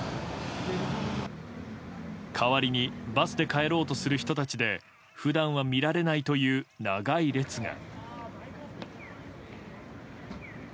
代わりにバスで帰ろうとする人たちで普段は見られないという長い列が。